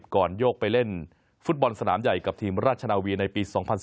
โยกไปเล่นฟุตบอลสนามใหญ่กับทีมราชนาวีในปี๒๐๑๙